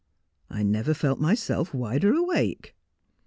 ' I never felt myself wider awake.'